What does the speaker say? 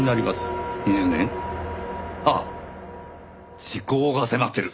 ああ時効が迫ってる。